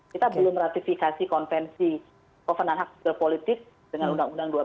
kita belum ratifikasi konvensi pemenangan hak politik dengan undang undang dua belas